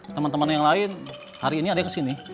teman teman yang lain hari ini ada yang kesini